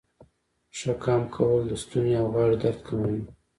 ښه قام کول د ستونې او غاړې درد کموي.